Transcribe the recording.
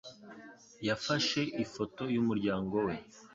Yafashe ifoto yumuryango we .